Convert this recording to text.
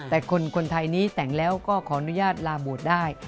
แต่คนไทยนี้แต่งแล้วก็ขออนุญาตลาโบสถ์ได้